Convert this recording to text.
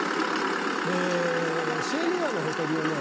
えセーヌ川のほとりをね